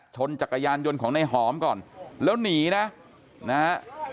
จักรยานยนต์ของในหอมก่อนแล้วหนีนะนะฮะ